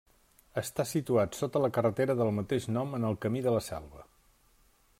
Està situat sota la carretera del mateix nom en el camí de la Selva.